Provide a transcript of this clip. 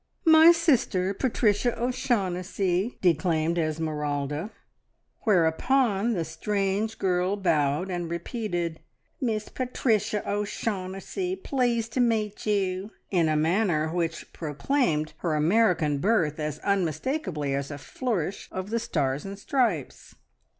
"My sister, Patricia O'Shaughnessy," declaimed Esmeralda. Whereupon the strange girl bowed and repeated, "Miss Pat ricia O'Shaughnessy. Pleased to meet you," in a manner which proclaimed her American birth as unmistakably as a flourish of the Stars and Stripes.